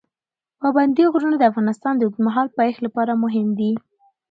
پابندي غرونه د افغانستان د اوږدمهاله پایښت لپاره مهم دي.